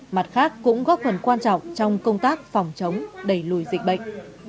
mặt khác cũng góp phần quan trọng trong công tác phòng chống đẩy lùi dịch bệnh